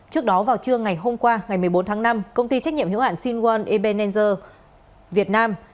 trước đó vào trưa ngày hôm qua ngày một mươi bốn tháng năm công ty trách nhiệm hiểu hạn sinwon ebenezer việt nam